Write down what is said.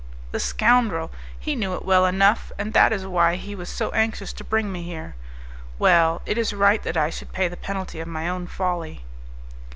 "The scoundrel! He knew it well enough, and that is why he was so anxious to bring me here. Well, it is right that I should pay the penalty of my own folly."